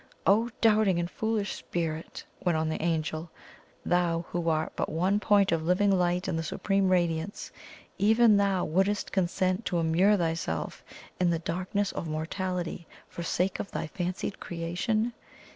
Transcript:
"Oh doubting and foolish Spirit!" went on the Angel "thou who art but one point of living light in the Supreme Radiance, even THOU wouldst consent to immure thyself in the darkness of mortality for sake of thy fancied creation!